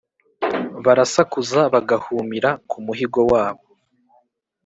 barasakuza, bagahumira ku muhigo wabo,